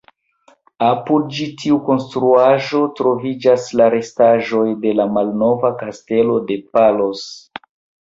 Apud ĉi tiu konstruaĵo, troviĝas la restaĵoj de la malnova kastelo de Palos.